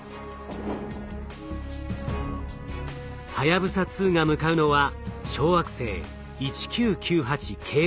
はやぶさ２が向かうのは小惑星１９９８ＫＹ２６。